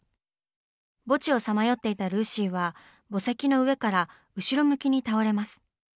墓地をさまよっていたルーシーは墓石の上から後ろ向きに倒れます。